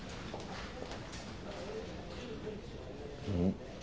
うん？